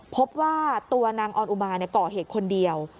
พบว่าตัวนางออนอุมาก่อเหตุคนเดียว